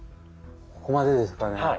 ここまでですかね。